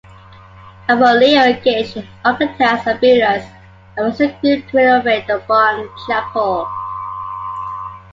Abbot Leo engaged Architects and Builders, a Weston group to renovate the barn-chapel.